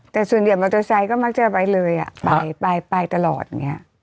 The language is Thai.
แต่ส่วนเดียวมอเตอร์ไซด์ก็มักเจอไปเลยอ่ะไปไปไปตลอดอย่างเงี้ย